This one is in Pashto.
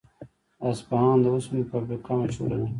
د اصفهان د وسپنې فابریکه مشهوره ده.